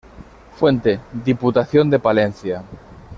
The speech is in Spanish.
Fuente: Diputación de Palencia